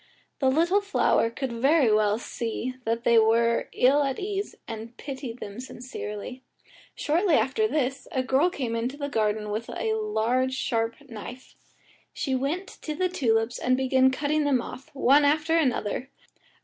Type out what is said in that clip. The little flower could very well see that they were ill at ease, and pitied them sincerely. Shortly after this a girl came into the garden, with a large sharp knife. She went to the tulips and began cutting them off, one after another.